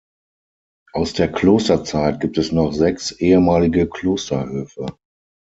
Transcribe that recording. Aus der Klosterzeit gibt es noch sechs "ehemalige Klosterhöfe".